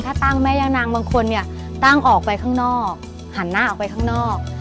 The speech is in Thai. ถ้าตั้งแม่ย่านางบางคนเนี่ยตั้งออกไปข้างนอกหันหน้าออกไปข้างนอก